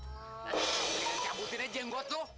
nanti kita cabutin aja ngot lo